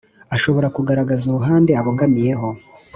ashobora kugaragaza uruhande abogamiyeho